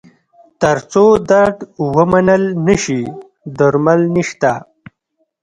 تر څو درد ومنل نه شي، درمل نشته.